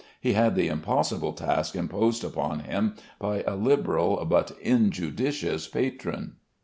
He had the impossible task imposed upon him by a liberal but injudicious patron.